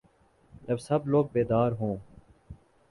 جب سب لوگ بیدار ہو